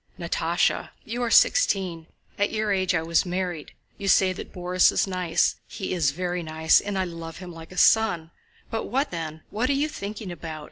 "Natásha, you are sixteen. At your age I was married. You say Borís is nice. He is very nice, and I love him like a son. But what then?... What are you thinking about?